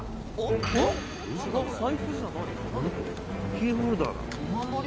キーホルダーだ。